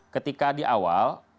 ketika di awal